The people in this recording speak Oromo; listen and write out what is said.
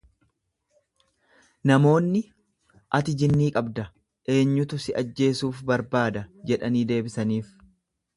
Namoonni, Ati jinnii qabda, eenyutu si ajjeesuuf barbaada jedhanii deebisaniif.